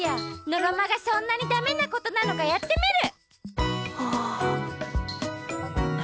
のろまがそんなにだめなことなのかやってみる！